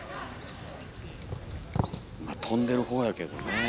飛んでる方やけどね。